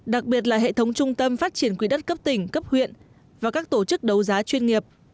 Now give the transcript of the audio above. đặc biệt là hệ thống trung tâm phát triển quỹ đất cấp tỉnh cấp huyện và các tổ chức đấu giá chuyên nghiệp